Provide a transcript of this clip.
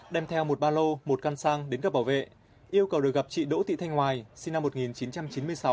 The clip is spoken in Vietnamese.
đem theo một ba lô một căn sang đến các bảo vệ yêu cầu được gặp chị đỗ thị thanh hoài sinh năm một nghìn chín trăm chín mươi sáu